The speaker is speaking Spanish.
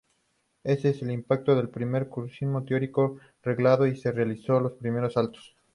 Ese se impartió el primer cursillo teórico reglado y se realizaron los primeros saltos.